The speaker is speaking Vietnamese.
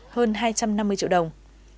hơn hai trăm năm mươi triệu đồng